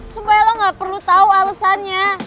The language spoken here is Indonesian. supaya lo nggak perlu tau alesannya